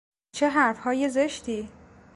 چه حرفهای زشتی!